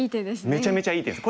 めちゃめちゃいい手です。